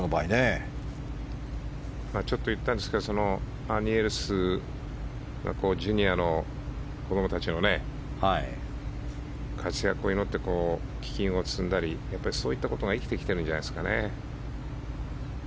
ちょっと言ったんですけどアーニー・エルスがジュニアの子供たちの活躍を祈って基金を募ったり、そういうことが生きてるんじゃないですかね。